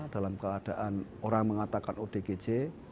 dalam keadaan orang mengatakan odgj